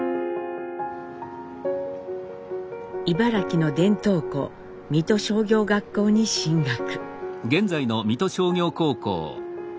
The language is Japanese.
茨城の伝統校水戸商業学校に進学。